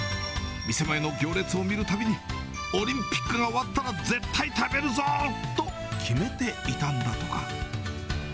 店前の行列を見るたびに、オリンピックが終わったら絶対食べるぞ！と決めていたんだとか。